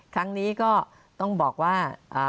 ครั้งนี้ก็ต้องบอกว่า